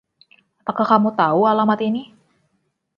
Apakah kamu tahu alamat ini...?